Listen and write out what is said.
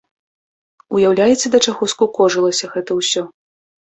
Уяўляеце, да чаго скукожылася гэта ўсё?